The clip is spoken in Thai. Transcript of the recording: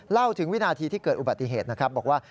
เล่าถึงวินาทีที่เกิดอุบัติเหตุนะครับบอกว่า